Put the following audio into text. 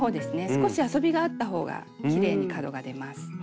少し遊びがあったほうがきれいに角が出ます。